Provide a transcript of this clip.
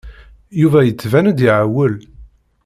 Yuba yettban-d iɛewwel.